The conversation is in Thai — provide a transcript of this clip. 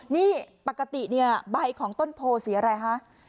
นี่ปกติเนี่ยใบของต้นโพสีอะไรคะ